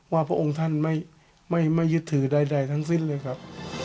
พระองค์ท่านไม่ยึดถือใดทั้งสิ้นเลยครับ